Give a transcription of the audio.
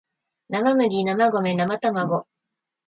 なまむぎなまごめなまたまご